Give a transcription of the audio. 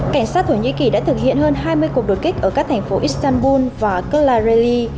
cảnh sát thổ nhĩ kỳ đã thực hiện hơn hai mươi cuộc đột kích ở các thành phố istanbul và kulareli